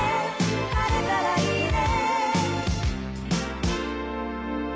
「晴れたらいいね」